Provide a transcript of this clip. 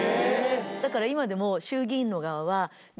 だから今でも。